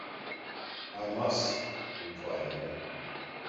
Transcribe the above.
‘I must,’ replied Mary.